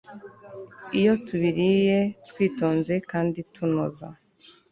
Iyo tubiriye twitonze kandi tunoza